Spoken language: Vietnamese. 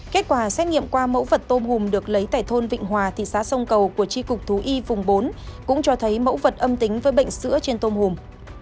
kết quả xét nghiệm qua mẫu vật tôm hùm được lấy tại thôn vịnh hòa thị xã sông cầu của tri cục thú y vùng bốn cũng cho thấy mẫu vật âm tính với bệnh sữa trên tôm hùm